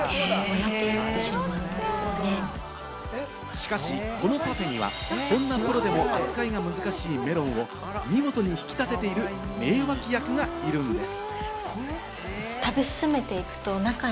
しかし、このパフェにはどんなものでも扱うのが難しいメロンを、見事に引き立てている名脇役がいるんです。